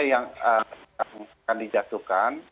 yang akan dijatuhkan